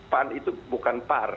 pan itu bukan par